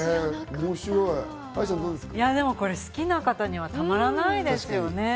これ、好きな方にはたまらないですよね。